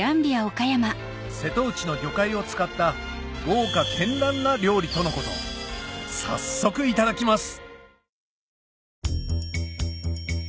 瀬戸内の魚介を使った豪華絢爛な料理とのこと早速いただきます